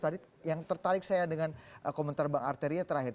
tadi yang tertarik saya dengan komentar bang arteria terakhir